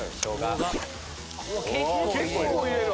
結構入れる。